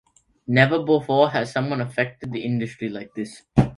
Never before has someone affected the industry like this.